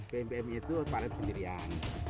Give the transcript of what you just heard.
ppnpn itu pak arief sendirian